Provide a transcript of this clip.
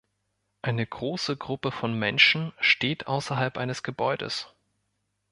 Eine große Gruppe von Menschen steht außerhalb eines Gebäudes.